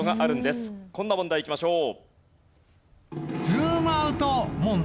こんな問題いきましょう。